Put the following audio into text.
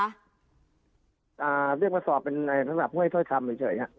อ่าเรียกมาสอบเป็นอะไรสำหรับเมื่อเท่าไหร่ทำเฉยค่ะ